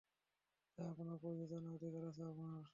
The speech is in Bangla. তাই আপনার পরিচয় জানার অধিকার আছে আমার!